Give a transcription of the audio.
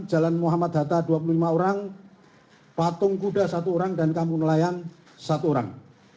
jalan muhammad hatta dua puluh lima orang patung kuda satu orang dan kampung nelayan satu orang